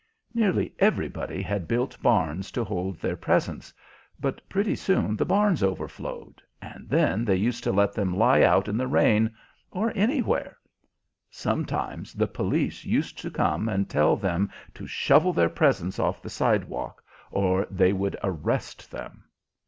Nearly everybody had built barns to hold their presents, but pretty soon the barns overflowed, and then they used to let them lie out in the rain, or anywhere. Sometimes the police used to come and tell them to shovel their presents off the sidewalk, or they would arrest them.